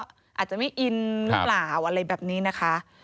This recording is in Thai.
อาจจะไม่อินหรือเปล่าอะไรแบบนี้นะคะ